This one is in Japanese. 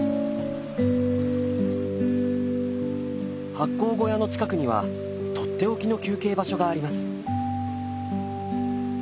発酵小屋の近くにはとっておきの休憩場所があります。